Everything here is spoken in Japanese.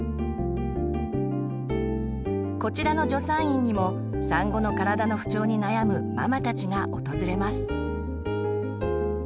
こちらの助産院にも産後の体の不調に悩むママたちが訪れます。